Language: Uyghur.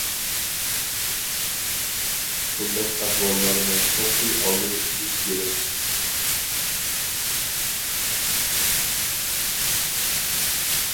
بۇنداق ئەھۋاللارنىڭ قەتئىي ئالدىنى ئېلىش كېرەك.